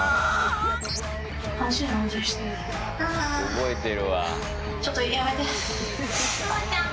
覚えてるわ。